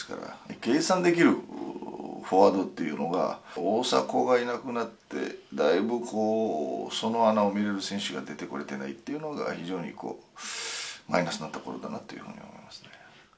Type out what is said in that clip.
計算できるフォワードというのが大迫がいなくなってだいぶその穴を埋めれる選手が出てきていないのが非常にマイナスなところだなと思います。